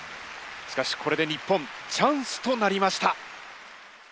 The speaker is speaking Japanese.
しかしこれで日本チャンスとなりました。